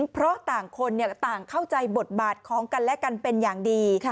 เพราะต่างคนต่างเข้าใจบทบาทของกันและกันเป็นอย่างดี